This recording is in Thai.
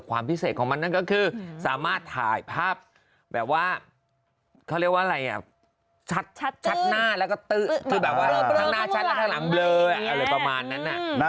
ความพิเศษของมันนั่นก็คือสามารถถ่ายภาพแบบว่าเขาเรียกว่าอะไรอ่ะชัดหน้าแล้วก็ตื้อที่แบบว่าทั้งหน้าชัดและข้างหลังเบลออะไรประมาณนั้น